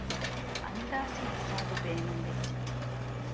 އަންދާސީ ހިސަބު ބޭނުންވެއްޖެ